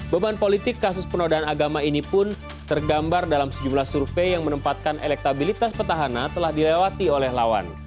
beban politik kasus penodaan agama ini pun tergambar dalam sejumlah survei yang menempatkan elektabilitas petahana telah dilewati oleh lawan